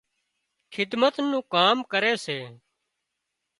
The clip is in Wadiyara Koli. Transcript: خدمت نُون ڪام ڪري سي